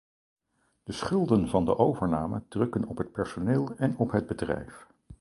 De schulden van de overname drukken op het personeel en op het bedrijf.